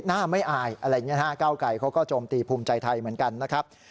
หน้าไม่อายอะไรอย่างนี้นะฮะเก้าไกรเขาก็โจมตีภูมิใจไทยเหมือนกันนะครับ